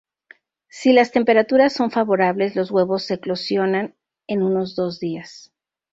Si las temperaturas son favorables los huevos eclosionan en unos dos días.